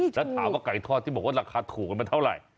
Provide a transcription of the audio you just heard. แล้วถามว่าไก่ทอดที่บอกว่าราคาถูกมันเท่าไหร่